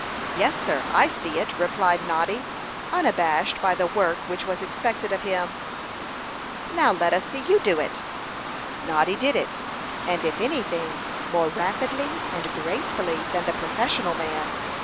"Yes, sir, I see it," replied Noddy, unabashed by the work which was expected of him. "Now, let us see you do it." Noddy did it, and if anything, more rapidly and gracefully than the professional man.